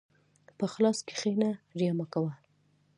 په اخلاص کښېنه، ریا مه کوه.